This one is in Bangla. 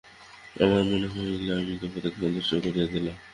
আমার মনে হইল, আমি দেবতাকে সন্তুষ্ট করিয়া দিলাম।